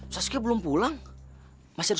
astaga bukan dari kota s complaint langsung dibahas